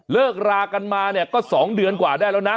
เลิกรากันมาเนี่ยก็๒เดือนกว่าได้แล้วนะ